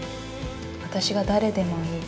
私が誰でもいい。